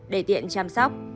để tiện chăm sóc